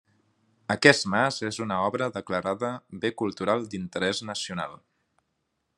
Aquest mas és una obra declarada bé cultural d'interès nacional.